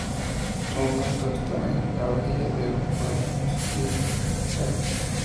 Su monumento está en la Abadía de Westminster.